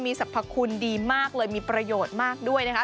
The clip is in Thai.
สรรพคุณดีมากเลยมีประโยชน์มากด้วยนะคะ